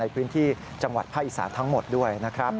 ในพื้นที่จังหวัดพะอิสาทังหมดด้วย